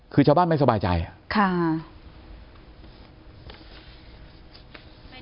คือชาวบ้านไม่สบายใจ